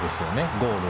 ゴールを。